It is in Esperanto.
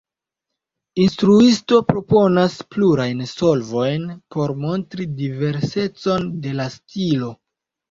Instruisto proponas plurajn solvojn por montri diversecon de la stilo.